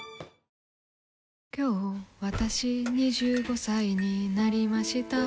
今日わたし、２５歳になりました。